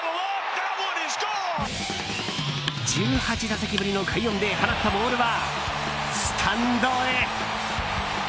１８打席ぶりの快音で放ったボールはスタンドへ。